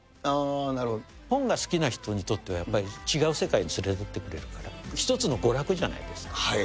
本が好きな人にとってはやっぱり、違う世界に連れていってくれるから一つの娯楽じゃないですか。